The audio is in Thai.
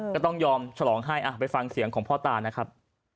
ก็ต้องยอมฉลองให้ไปฟังเสียงของพ่อตานะครับ